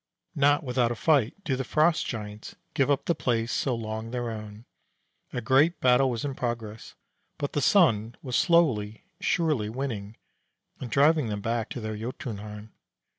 Not without a fight do the Frost Giants give up the place so long their own; a great battle was in progress; but the Sun was slowly, surely winning, and driving them back to their Jotunheim.